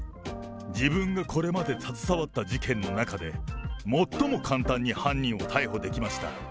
自分がこれまで携わった事件の中で、最も簡単に犯人を逮捕できました。